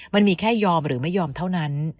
มันมีแค่ยอมหรือไม่ยอมเท่านั้น